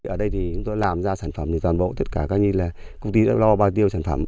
ở đây thì chúng tôi làm ra sản phẩm thì toàn bộ tất cả các công ty đã lo bao tiêu sản phẩm